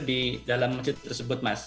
di dalam masjid tersebut mas